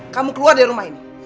kamu keluar dari rumah ini